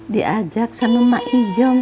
diajak sama mak ijong